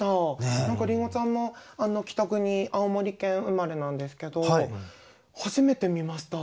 何かりんごちゃんも北国青森県生まれなんですけど初めて見ました。